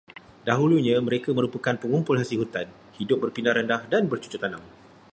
Dahulunya mereka merupakan pengumpul hasil hutan, hidup berpindah-randah, dan bercucuk tanam.